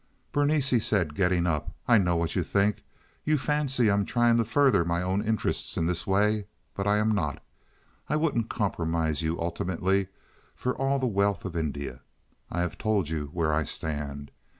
"Berenice," he said, getting up, "I know what you think. You fancy I am trying to further my own interests in this way, but I'm not. I wouldn't compromise you ultimately for all the wealth of India. I have told you where I stand.